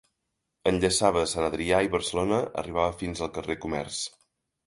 Enllaçava Sant Adrià i Barcelona, arribava fins al carrer Comerç.